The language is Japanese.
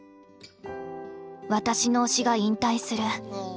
私の推しが引退する。